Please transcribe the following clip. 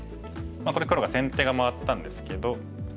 これ黒が先手が回ったんですけど。